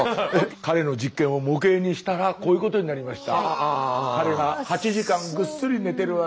彼の実験を模型にしたらこういうことになりました。